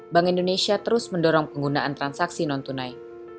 bank indonesia terus mendorong penggunaan transaksi non tunai